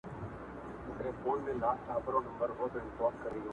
دا د پنځو زرو کلونو کمالونو کیسې٫